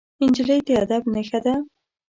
نجلۍ د ادب نښه ده.